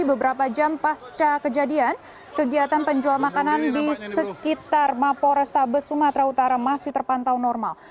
beberapa jam pasca kejadian kegiatan penjual makanan di sekitar mapo restabes sumatera utara masih terpantau normal